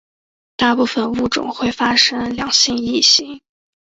大部份物种会发生两性异形。